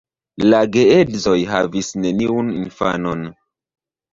La geedzoj havis neniun infanon.